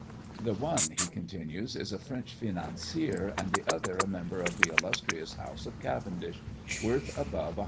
"The one," he continues, "is a French financier, and the other a member of the illustrious house of Cavendish, worth above 100,000_l.